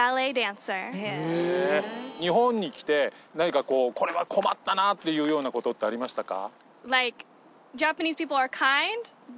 日本に来て何かこうこれは困ったなっていうような事ってありましたか？